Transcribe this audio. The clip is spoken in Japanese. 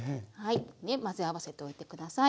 混ぜ合わせておいて下さい。